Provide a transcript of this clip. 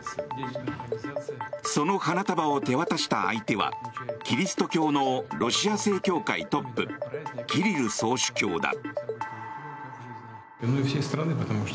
その花束を手渡した相手はキリスト教のロシア正教会トップキリル総主教だ。